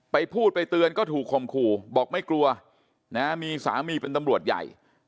พูดไปเตือนก็ถูกข่มขู่บอกไม่กลัวนะมีสามีเป็นตำรวจใหญ่